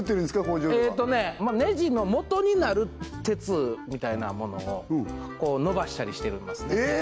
工場ではネジのもとになる鉄みたいなものをのばしたりしてるえ！？